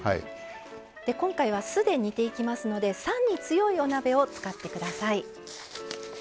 今回は酢で煮ていきますので酸に強いお鍋を使って下さい。